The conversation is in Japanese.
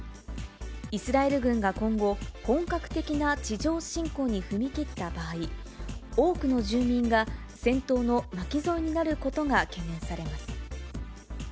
イスラエル軍が今後、本格的な地上侵攻に踏み切った場合、多くの住民が戦闘の巻き添えになることが懸念されます。